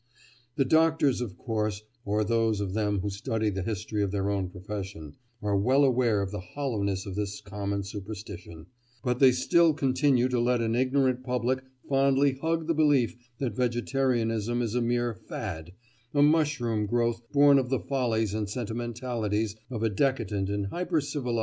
The doctors, of course, or those of them who study the history of their own profession, are well aware of the hollowness of this common superstition, but they still continue to let an ignorant public fondly hug the belief that vegetarianism is a mere "fad," a mushroom growth born of the follies and sentimentalities of a decadent and hypercivilised age.